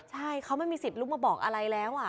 ใช่เขาไม่มีสิทธิ์ลุกมาบอกอะไรแล้ว